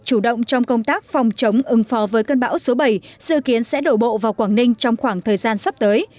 chủ động trong công tác phòng chống ứng phó với cơn bão số bảy dự kiến sẽ đổ bộ vào quảng ninh trong khoảng thời gian sắp tới